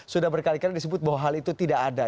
sudah berkali kali disebut bahwa hal itu tidak ada